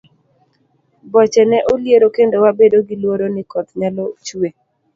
Boche ne oliero kendo wabedo gi luoro ni koth nyalo chue.